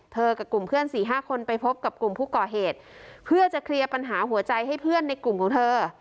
กับกลุ่มเพื่อนสี่ห้าคนไปพบกับกลุ่มผู้ก่อเหตุเพื่อจะเคลียร์ปัญหาหัวใจให้เพื่อนในกลุ่มของเธอ